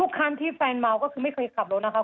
คันที่แฟนเมาก็คือไม่เคยขับรถนะคะ